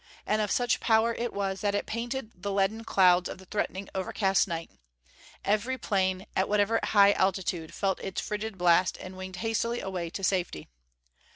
And of such power it was, that it painted the leaden clouds of the threatening, overcast night. Every plane, at whatever high altitude, felt its frigid blast and winged hastily away to safety.